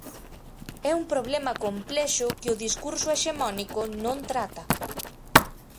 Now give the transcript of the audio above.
É un problema complexo que o discurso hexemónico non trata.